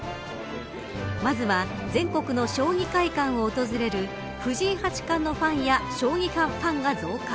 まずは、全国の将棋会館を訪れる藤井八冠のファンや将棋ファンが増加。